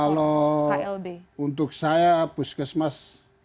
kalau untuk saya puskesmas